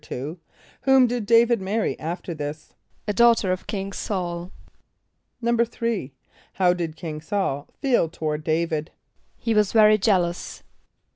= Whom did D[=a]´vid marry after this? =A daughter of King S[a:]ul.= =3.= How did King S[a:]ul feel toward D[=a]´vid? =He was very jealous.